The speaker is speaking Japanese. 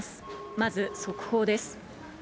まず速報です。